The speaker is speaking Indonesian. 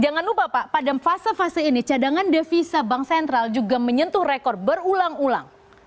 jangan lupa pak pada fase fase ini cadangan devisa bank sentral juga menyentuh rekor berulang ulang